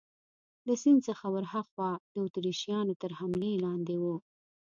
له سیند څخه ورهاخوا د اتریشیانو تر حملې لاندې وو.